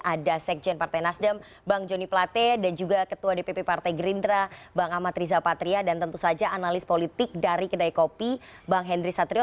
ada sekjen partai nasdem bang joni plate dan juga ketua dpp partai gerindra bang amat riza patria dan tentu saja analis politik dari kedai kopi bang henry satrio